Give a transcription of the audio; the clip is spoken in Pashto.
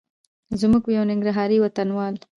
زموږ یو ننګرهاري وطنوال